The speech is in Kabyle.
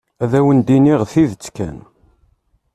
Ad awen-d-iniɣ tidet kan.